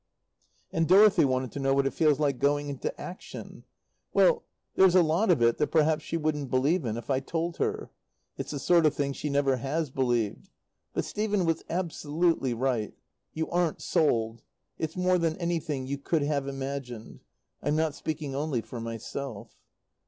And Dorothy wanted to know what it feels like going into action. Well there's a lot of it that perhaps she wouldn't believe in if I told her it's the sort of thing she never has believed; but Stephen was absolutely right. You aren't sold. It's more than anything you could have imagined. I'm not speaking only for myself.